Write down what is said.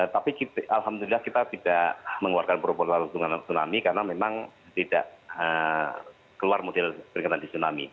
tapi alhamdulillah kita tidak mengeluarkan propor tsunami karena memang tidak keluar model peringatan di tsunami